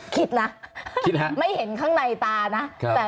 คิดนะไม่เห็นข้างในตานะ